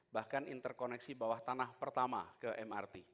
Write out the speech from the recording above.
bahkan interkoneksi bawah tanah pertama ke mrt